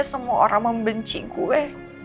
semua orang membenci gue